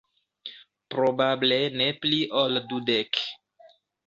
Probable ne pli ol dudek.